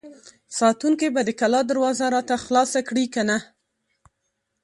ساتونکي به د کلا دروازه راته خلاصه کړي که نه!